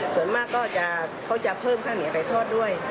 ส่วนมากเขาจะเพิ่มข้าวเหนียวไปทอดด้วย